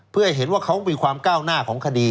เพื่อให้เห็นว่าเขามีความก้าวหน้าของคดี